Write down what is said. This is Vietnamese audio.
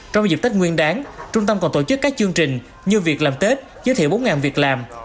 trong dịp tết nguyên đáng trung tâm còn tổ chức các chương trình như việc làm tết giới thiệu bốn việc làm